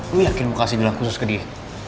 lu yakin lu kasih gelang khusus ke dia